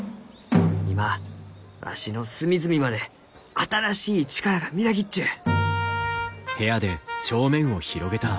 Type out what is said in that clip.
今わしの隅々まで新しい力がみなぎっちゅう！」。